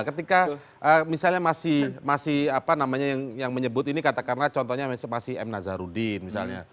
ketika misalnya masih apa namanya yang menyebut ini katakanlah contohnya masih m nazarudin misalnya